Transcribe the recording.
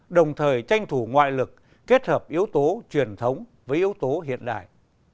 đồng thời tranh thủ ngoại lực kết hợp yếu tố truyền thống với yếu tố hiện đại